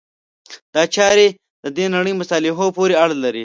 دا چارې د دې نړۍ مصالحو پورې اړه لري.